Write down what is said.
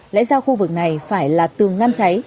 lẽ ra khu vực này phải là tường ngăn cháy